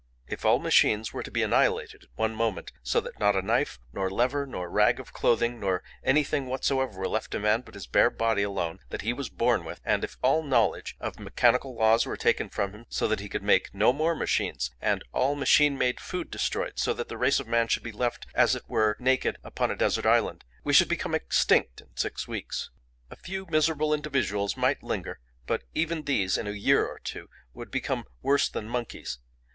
If all machines were to be annihilated at one moment, so that not a knife nor lever nor rag of clothing nor anything whatsoever were left to man but his bare body alone that he was born with, and if all knowledge of mechanical laws were taken from him so that he could make no more machines, and all machine made food destroyed so that the race of man should be left as it were naked upon a desert island, we should become extinct in six weeks. A few miserable individuals might linger, but even these in a year or two would become worse than monkeys.